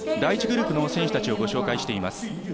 第１グループの選手たちをご紹介しています。